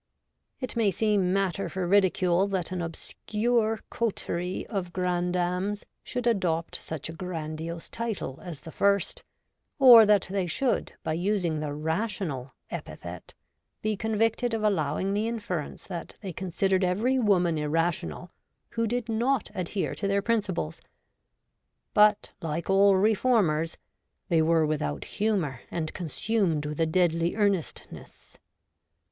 It may seem matter for ridicule that an obscure coterie of grandams should adopt such a grandiose title as the first, or that they should, by using the ' Rational ' epithet, be convicted of allowing the inference that they considered every woman irrational who did not adhere to their principles ; but, like all ' reformers,' they were without humour and consumed with a deadly earnestness.